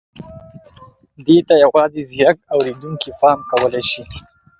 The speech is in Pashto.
دې ته یوازې ځيرک اورېدونکي پام کولای شي.